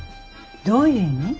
どういう意味？